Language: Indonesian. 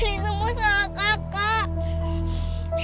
ini semua salah kakak